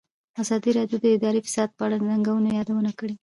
ازادي راډیو د اداري فساد په اړه د ننګونو یادونه کړې.